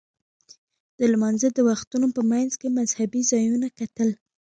د لمانځه د وختونو په منځ کې مذهبي ځایونه کتل.